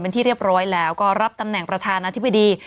เป็นที่เรียบร้อยแล้วก็รับตำแหน่งประธานาธิบดี